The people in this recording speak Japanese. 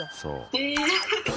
え！